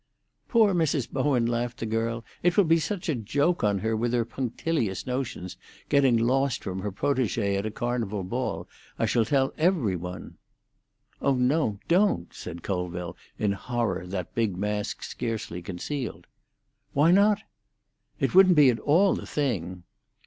"Poor Mrs. Bowen," laughed the girl. "It will be such a joke on her, with her punctilious notions, getting lost from her protégée at a Carnival ball! I shall tell every one." "Oh no, don't," said Colville, in horror that big mask scarcely concealed. "Why not?" "It wouldn't be at all the thing."